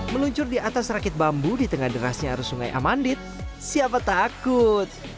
meluncur di atas rakit bambu di tengah derasnya arus sungai amandit siapa takut